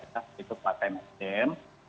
yaitu partai nasdem